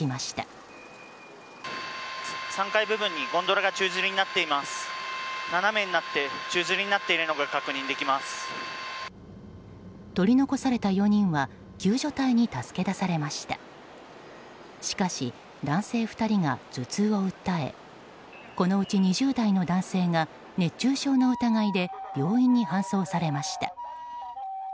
しかし、男性２人が頭痛を訴えこのうち２０代の男性が熱中症の疑いで病院に搬送されました。